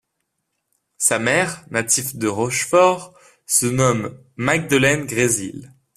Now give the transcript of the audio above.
Sa mère, native de Rochefort, se nomme Magdelaine Grésil.